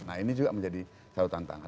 nah ini juga menjadi satu tantangan